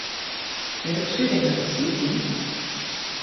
你讀書定讀屎片？